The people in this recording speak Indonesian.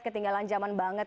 ketinggalan zaman banget